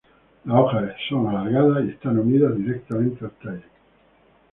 Las hojas son alargadas y están unidas directamente al tallo.